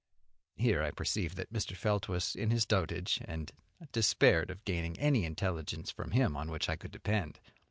Here I perceived that Mr. Felt was in his dotage, and I despaired of gaining any intelligence from him on which I could depend.